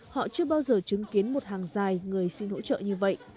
họ chưa bao giờ chứng kiến một hàng dài người xin hỗ trợ như vậy